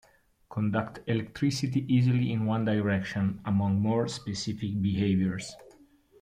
Conduct electricity easily in one direction, among more specific behaviors.